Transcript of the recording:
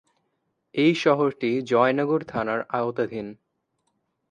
এই শহরটি জয়নগর থানার আওতাধীন।